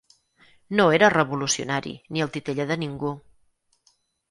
No era revolucionari ni el titella de ningú.